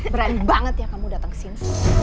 berani banget ya kamu datang kesini